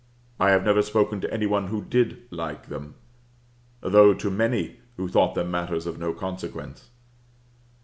I have never spoken to any one who did like them, though to many who thought them matters of no consequence.